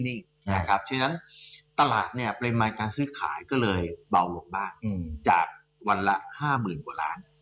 เพราะฉะนั้นตลาดเนี่ยปริมาณการซื้อขายก็เลยเบาลงบ้างจากวันละ๕๐๐๐กว่าล้าน